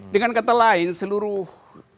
dengan kata lain seluruh promosi ini